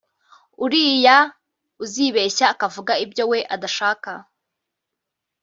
uriya uzibeshya akavuga ibyo we adashaka